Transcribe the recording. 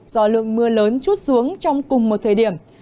do lượng mưa lớn chút xuống trong cùng một thời điểm